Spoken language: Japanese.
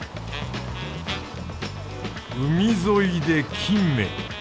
海沿いで金目！